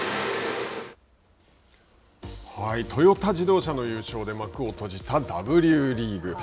トヨタ自動車の優勝で幕を閉じたＷリーグ。